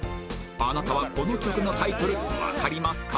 あなたはこの曲のタイトルわかりますか？